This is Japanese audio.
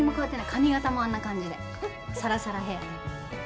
髪形もあんな感じでさらさらヘアで。